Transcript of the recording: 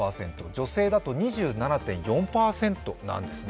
女性だと２７．４％なんですね。